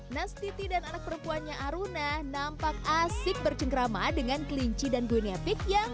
nastity dan anak perempuannya aruna nampak asyik bercengkrama dengan kelinci dan guinea pig yang